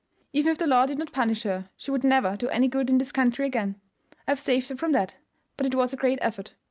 Even if the law did not punish her, she would never do any good in this country again. I have saved her from that; but it was a great effort.